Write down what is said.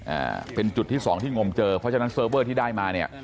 อ่าเป็นจุดที่สองที่งมเจอเพราะฉะนั้นเซิร์ฟเวอร์ที่ได้มาเนี้ย